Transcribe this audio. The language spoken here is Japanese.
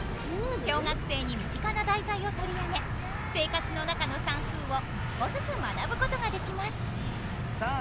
小学生に身近な題材を取り上げ生活の中の算数を一歩ずつ学ぶことができます。